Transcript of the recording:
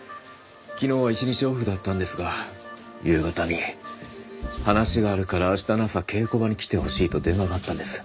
昨日は一日オフだったんですが夕方に「話があるから明日の朝稽古場に来てほしい」と電話があったんです。